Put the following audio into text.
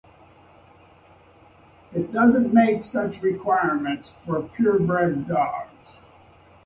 It doesn't make such requirements for purebred dogs.